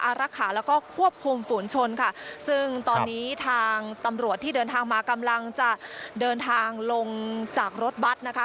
รักษาแล้วก็ควบคุมฝูนชนค่ะซึ่งตอนนี้ทางตำรวจที่เดินทางมากำลังจะเดินทางลงจากรถบัตรนะคะ